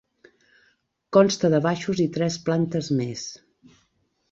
Consta de baixos i tres plantes més.